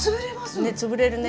ねっ潰れるね。